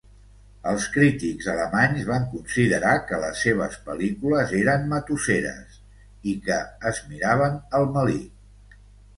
Els crítics alemanys van considerar que les seves pel·lícules eren "matusseres" i que "es miraven el melic".